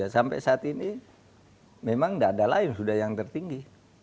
sampai saat ini memang tidak ada lain sudah yang tertinggi